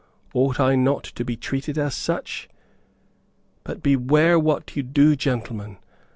Ought I not to be treated as such? But beware what you do, gentlemen.